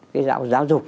cái giáo dục